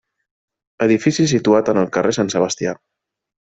Edifici situat en el carrer Sant Sebastià.